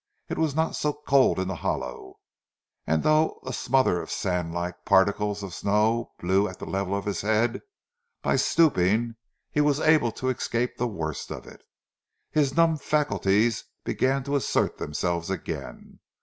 It was not so cold in the hollow, and though a smother of sand like particles of snow blew at the level of his head, by stooping he was able to escape the worst of it. His numbed faculties began to assert themselves again.